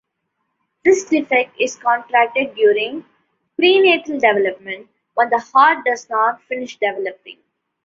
This defect is contracted during prenatal development, when the heart does not finish developing.